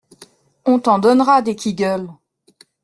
On t'en donnera des "Qui gueule"!